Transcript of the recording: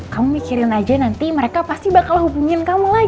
kamu mikirin aja nanti mereka pasti bakal hubungin kamu lagi